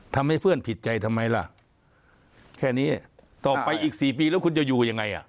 ทำให้เพื่อนผิดใจทำไมล่ะแค่นี้ต่อไปอีกสี่ปีแล้วคุณจะอยู่ยังไงอ่ะ